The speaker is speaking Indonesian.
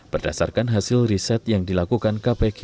berdasarkan hasil riset yang dilakukan kpk